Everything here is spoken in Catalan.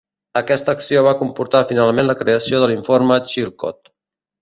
Aquesta acció va comportar finalment la creació de l'Informe Chilcot.